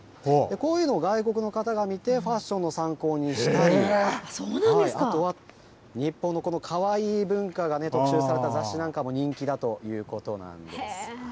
こういうのを外国の方が見て、ファッションの参考にしたり、あとは、日本のこのＫＡＷＡＩＩ文化がね、特集された雑誌なんかも人気だということなんです。